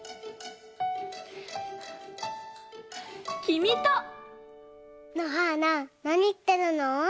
きみと！のはーななにいってるの？